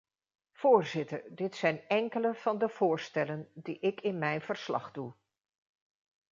Voorzitter, dit zijn enkele van de voorstellen die ik in mijn verslag doe.